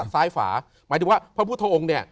ซ้ายฝาหมายถึงว่าพระพุทธองค์เนี่ย